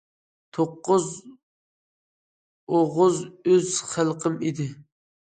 توققۇز ئوغۇز ئۆز خەلقىم ئىدى.